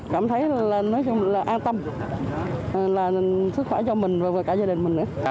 cảm thấy là an tâm là sức khỏe cho mình và cả gia đình mình nữa